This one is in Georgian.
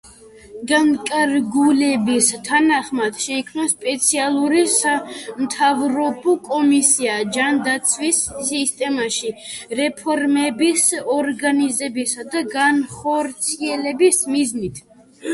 განკარგულების თანახმად, შეიქმნა სპეციალური სამთავრობო კომისია, ჯანდაცვის სისტემაში რეფორმების ორგანიზებისა და განხორციელების მიზნით.